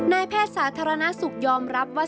แพทย์สาธารณสุขยอมรับว่า